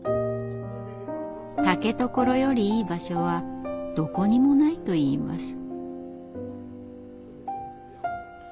竹所よりいい場所はどこにもないといいます。